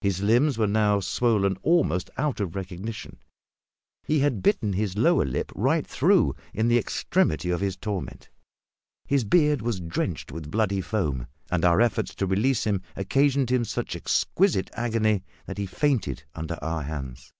His limbs were now swollen almost out of recognition; he had bitten his lower lip right through in the extremity of his torment; his beard was drenched with bloody foam; and our efforts to release him occasioned him such exquisite agony that he fainted under our hands.